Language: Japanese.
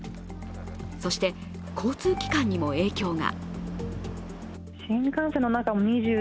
そして、交通機関にも影響が。